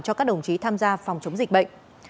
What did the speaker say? cho các đồng chí tham gia phòng chống dịch bệnh